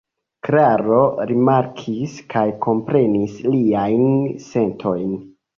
Klaro rimarkis kaj komprenis liajn sentojn.